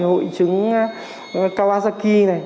hội chứng kawasaki này